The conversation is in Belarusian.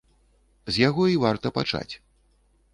З яго і варта пачаць.